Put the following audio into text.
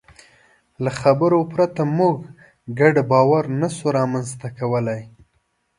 له خبرو پرته موږ ګډ باور نهشو رامنځ ته کولی.